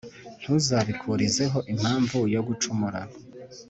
ntuzabikurizeho impamvu yo gucumura.